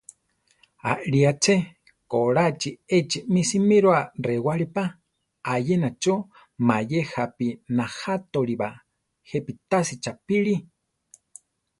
Ali aché, koráchi échimi simíroa rewálipa; ayena cho mayé jápi najátoliba; jepi tasí chaʼpire.